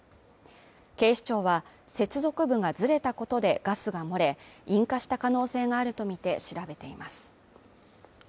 警視庁は、接続部がずれたことでガスが漏れ、引火した可能性があるとみて調べています。